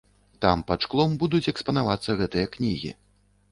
Там пад шклом будуць экспанавацца гэтыя кнігі.